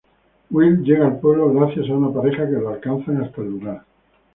Will llega al pueblo gracias a una pareja que lo alcanzan hasta el lugar.